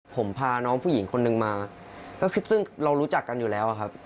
ผมพาน้องผู้หญิงคนนึงมาซึ่งเรารู้จักกันอยู่แล้วครับ